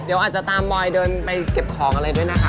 เดี๋ยวอาจจะตามมอยเดินไปเก็บของอะไรด้วยนะคะ